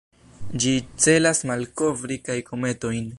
Ĝi celas malkovri kaj kometojn.